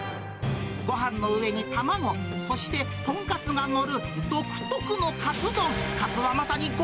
ごはんの上に卵、そしてとんかつが載る独特のかつ丼。